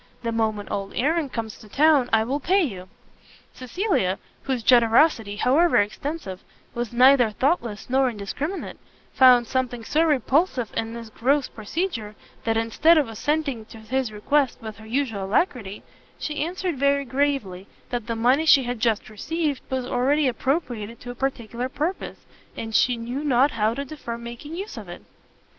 The moment old Aaron comes to town, I will pay you." Cecilia, whose generosity, however extensive, was neither thoughtless nor indiscriminate, found something so repulsive in this gross procedure, that instead of assenting to his request with her usual alacrity, she answered very gravely that the money she had just received was already appropriated to a particular purpose, and she knew not how to defer making use of it.